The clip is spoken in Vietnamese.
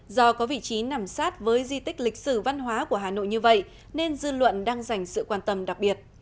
do có vị trí nằm sát với di tích lịch sử văn hóa của hà nội như vậy nên dư luận đang dành sự quan tâm đặc biệt